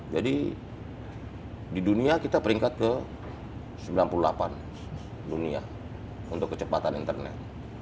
jadi di dunia kita peringkat ke sembilan puluh delapan dunia untuk kecepatan internet